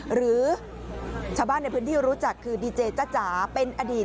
หรือชาวบ้านในพื้นที่รู้จักคือดีเจจ้าจ๋าเป็นอดีต